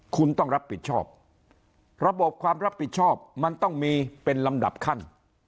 คุณต้องรับผิดชอบระบบความรับผิดชอบมันต้องมีเป็นลำดับขั้น